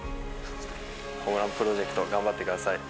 ホームランプロジェクト、頑張ってください。